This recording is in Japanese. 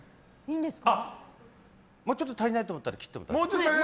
あっ、もうちょっと足りないと思ったら切ってもいい？